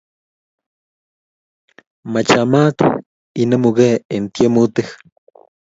Machamat inemugee eng tyemutik